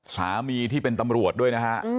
สามีที่เป็นตำรวจด้วยนะฮะ